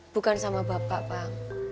bukan sama bapak bang